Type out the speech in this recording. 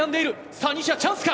さあ、西矢、チャンスか。